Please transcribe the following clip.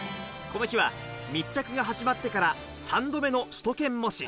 この日は密着が始まってから３度目の首都圏模試。